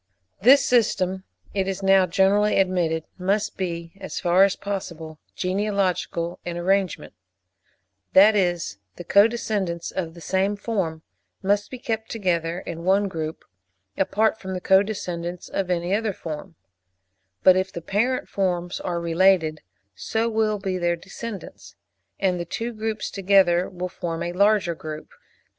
This system, it is now generally admitted, must be, as far as possible, genealogical in arrangement,—that is, the co descendants of the same form must be kept together in one group, apart from the co descendants of any other form; but if the parent forms are related, so will be their descendants, and the two groups together will form a larger group.